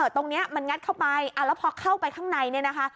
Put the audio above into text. ตรงนี้มันงัดเข้าไปแล้วพอเข้าไปข้างในเนี่ยนะคะ